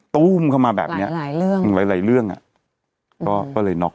ตู้มเข้ามาแบบเนี้ยหลายเรื่องหลายหลายเรื่องอ่ะก็เลยน็อก